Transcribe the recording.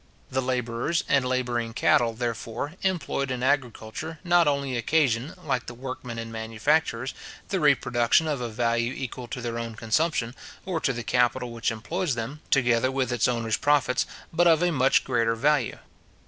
The labourers and labouring cattle, therefore, employed in agriculture, not only occasion, like the workmen in manufactures, the reproduction of a value equal to their own consumption, or to the capital which employs them, together with its owner's profits, but of a much greater value.